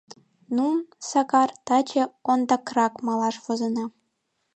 — Ну, Сакар, таче ондакрак малаш возына.